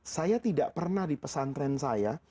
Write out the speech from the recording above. saya tidak pernah di pesantren saya